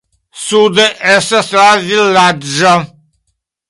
Sude estas la vilaĝo.